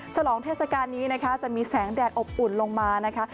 ลองเทศกาลนี้นะคะจะมีแสงแดดอบอุ่นลงมานะคะ